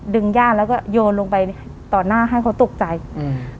ย่าแล้วก็โยนลงไปต่อหน้าให้เขาตกใจอืม